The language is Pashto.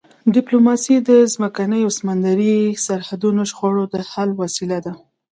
ډیپلوماسي د ځمکني او سمندري سرحدي شخړو د حل وسیله ده.